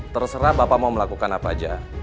terserah bapak mau melakukan apa aja